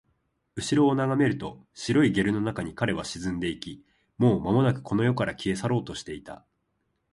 後ろを眺めると、白いゲルの中に彼は沈んでいき、もうまもなくこの世から消え去ろうとしていた